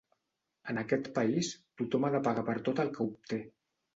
En aquest país tothom ha de pagar per tot el que obté.